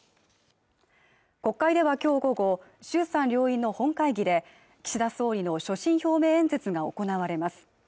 国会ではきょう午後衆参両院の本会議で岸田総理の所信表明演説が行われます